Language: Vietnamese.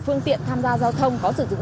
phương tiện tham gia giao thông có sử dụng